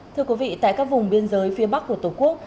thưa quý vị tại các vùng biên giới phía bắc của tổ quốc